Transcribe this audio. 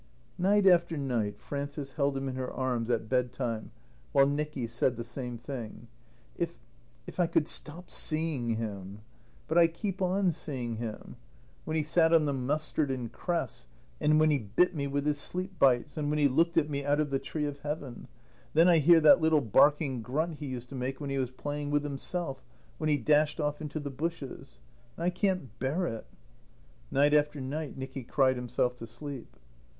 Night after night Frances held him in her arms at bed time while Nicky said the same thing. "If if I could stop seeing him. But I keep on seeing him. When he sat on the mustard and cress. And when he bit me with his sleep bites. And when he looked at me out of the tree of Heaven. Then I hear that little barking grunt he used to make when he was playing with himself when he dashed off into the bushes. "And I can't bear it." Night after night Nicky cried himself to sleep.